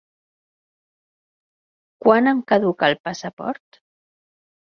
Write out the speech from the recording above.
Quan em caduca el passaport?